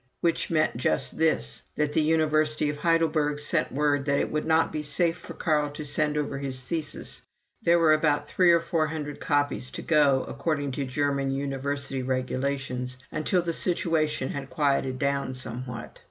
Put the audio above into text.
Which meant just this that the University of Heidelberg sent word that it would not be safe for Carl to send over his thesis, there were about three or four hundred copies to go, according to German University regulations, until the situation had quieted down somewhat.